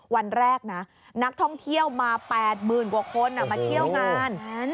วันแรกนักท่องเที่ยวมา๘หมื่นบวกคนมาเที่ยวงาน